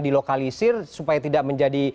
dilokalisir supaya tidak menjadi